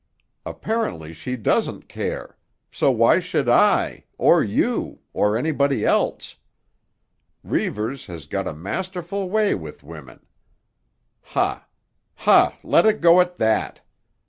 Apparently she doesn't care; so why should I, or you, or anybody else? Reivers has got a masterful way with women! Ha, ha! Let it go at that.